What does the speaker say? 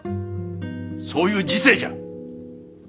そういう時勢じゃ。